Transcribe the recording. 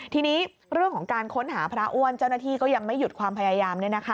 ทีนี้เรื่องของการค้นหาพระอ้วนเจ้าหน้าที่ก็ยังไม่หยุดความพยายาม